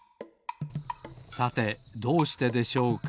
さてどうしてでしょうか？